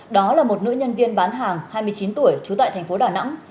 đó là một nữ nhân viên bán hàng hai mươi chín tuổi trú tại thành phố đà nẵng